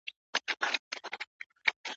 پردی ولات د مړو قدر کموینه